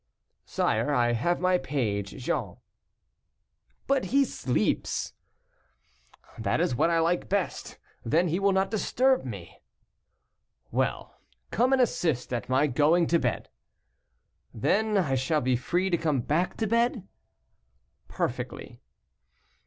"Sire, I have my page, Jean." "But he sleeps." "That is what I like best, then he will not disturb me." "Well, come and assist at my going to bed." "Then I shall be free to come back to bed?" "Perfectly."